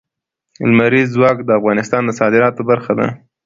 لمریز ځواک د افغانستان د صادراتو برخه ده.